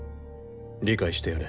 理解してやれ。